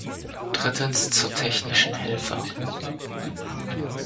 Drittens zur technischen Hilfe.